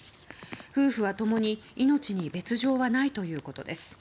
夫婦はともに命に別条はないということです。